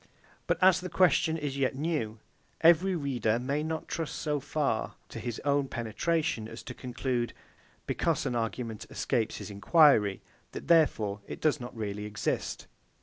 But as the question is yet new, every reader may not trust so far to his own penetration, as to conclude, because an argument escapes his enquiry, that therefore it does not really exist.